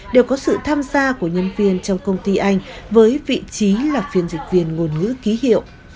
đều có sự tham gia của nhân viên trong công ty anh với vị trí là phiên dịch viên ngôn ngữ ký hiệu